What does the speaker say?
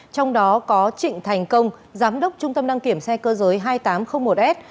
trong đó có trịnh thành công giám đốc trung tâm đăng kiểm xe cơ giới hai nghìn tám trăm linh một s